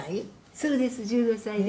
「そうです１５歳で」